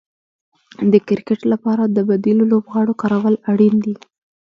د کرکټ لپاره د بديلو لوبغاړو کارول اړين دي.